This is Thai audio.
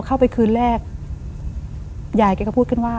พอเข้าไปคืนแรกยายแกก็พูดขึ้นว่า